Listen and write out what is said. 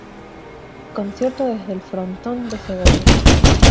Concierto desde el Frontón de Segovia.